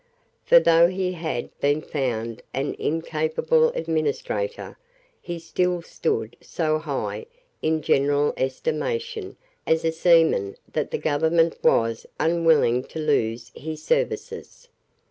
For, though he had been found an incapable administrator, he still stood so high in general estimation as a seaman that the government was unwilling to lose his services.